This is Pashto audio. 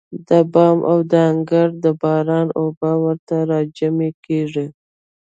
د بام او د انګړ د باران اوبه ورته راجمع کېږي.